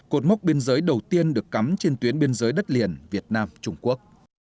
cột mốc biên giới đầu tiên được cắm trên tuyến biên giới đất liền việt nam trung quốc